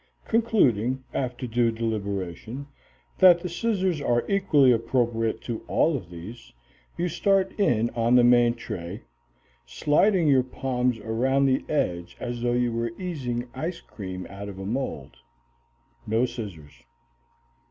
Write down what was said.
Concluding, after due deliberation, that the scissors are equally appropriate to all of these, you start in on the main tray, sliding your palms around the edge as though you were easing ice cream out of a mold. No scissors.